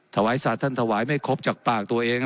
ถวายสัตว์ท่านถวายไม่ครบจากปากตัวเอง